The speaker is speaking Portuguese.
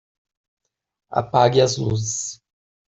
Apague as luzes.